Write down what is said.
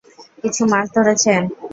কিছু মাছ ধরেছেন?